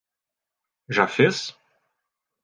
Já fez?